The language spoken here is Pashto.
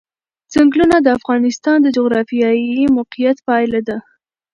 ځنګلونه د افغانستان د جغرافیایي موقیعت پایله ده.